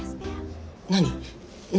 何？